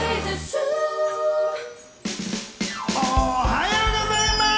おはようございます！